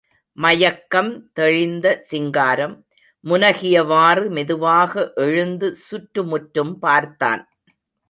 மயக்கம் தெளிந்த சிங்காரம், முனகியவாறு மெதுவாக எழுந்து சுற்று முற்றும் பார்த்தான்.